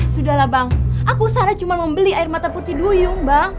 sudahlah bang aku secara cuman membeli air mata putih duyung bang